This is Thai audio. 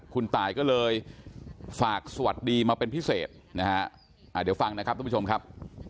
คุณตายก็เลยฝากสวัสดีมาเป็นพิเศษนะฮะเดี๋ยวฟังนะครับทุกผู้ชมครับ